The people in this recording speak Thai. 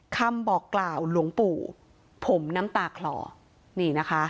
คำบอกกล่าวหลวงปู่ผมน้ำตาคลอนี่นะคะ